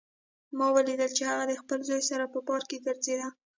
ما ولیدل چې هغه د خپل زوی سره په پارک کې ګرځېده